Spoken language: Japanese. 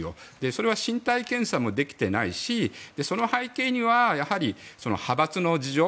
それは身体検査もできていないしその背景にはやはり、派閥の事情。